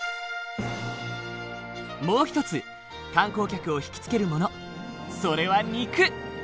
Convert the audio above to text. もう一つ観光客を引き付けるものそれは肉！